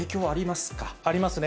ありますね。